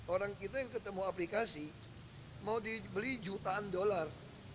orang kita yang ketemu aplikasi mau dibeli jutaan dolar